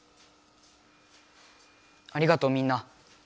ありがとうみんな。